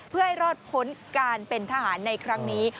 เพื่อให้รอดพ้นการเป็นทหารในครั้งนี้